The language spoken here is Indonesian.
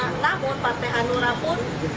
namun pantai hanura pun